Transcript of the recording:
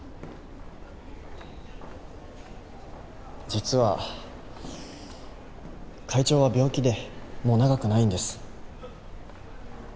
実は会長は病気でもう長くないんです。